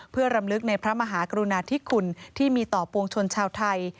เพื่อรำลึกในพระมหากรุณาธิคุณที่มีต่อปวงชนชาวไทย